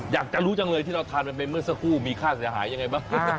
อยากจะรู้จังเลยที่เราทานมันไปเมื่อสักครู่มีค่าเสียหายยังไงบ้าง